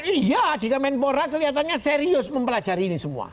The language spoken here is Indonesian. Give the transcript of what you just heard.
iya di kemenpora kelihatannya serius mempelajari ini semua